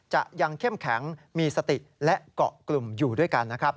จะยังเข้มแข็งมีสติและเกาะกลุ่มอยู่ด้วยกันนะครับ